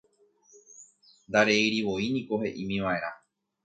Ndareirivoíniko he'ímiva'erã